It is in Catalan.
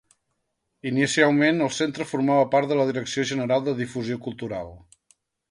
Inicialment, el Centre formava part de la Direcció General de Difusió Cultural.